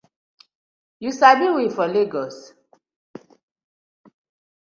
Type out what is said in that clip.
Yu sabi we for Legos?